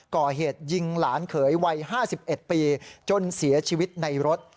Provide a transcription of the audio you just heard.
ก่อเหตุยิงหลานเขยวัย๕๑ปีจนเสียชีวิตในรถ